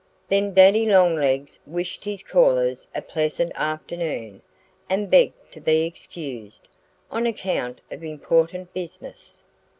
Then Daddy Longlegs wished his callers a pleasant afternoon and begged to be excused, on account of important business.